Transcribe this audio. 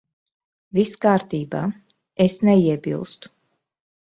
Viss kārtībā. Es neiebilstu.